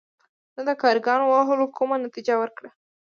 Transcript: نه د کارګرانو وهلو کومه نتیجه ورکړه.